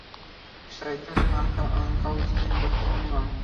Syed Hasan al Qazwini বর্তমান ইমাম।